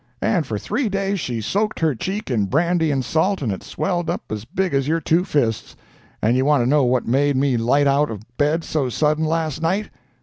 and for three days she soaked her cheek in brandy and salt, and it swelled up as big as your two fists. And you want to know what made me light out of bed so sudden last night?